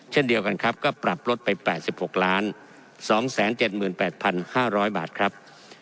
เช่นเดียวกันครับก็ปรับลดไป๘๖๒๗๘๕๐๐บาทครับ